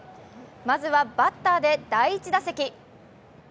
まずはバッターで第１打席。